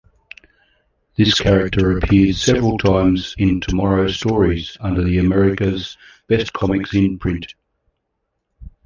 This character appeared several times in "Tomorrow Stories" under the America's Best Comics imprint.